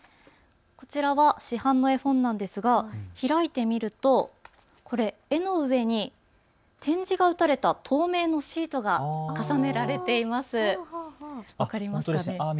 こちらは市販の絵本なんですが、広いてみると、これ絵の上に点字が打たれた透明のシートが重ねられています。